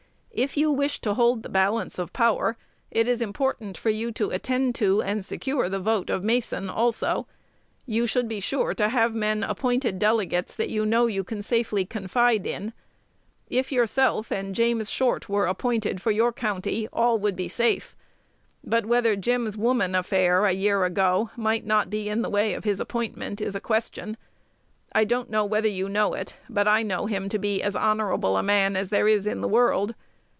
If you wish to hold the balance of power, it is important for you to attend to and secure the vote of Mason also. You should be sure to have men appointed delegates that you know you can safely confide in. If yourself and James Short were appointed for your county, all would be safe; but whether Jim's woman affair a year ago might not be in the way of his appointment is a question. I don't know whether you know it, but I know him to be as honorable a man as there is in the world.